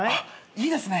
いいですね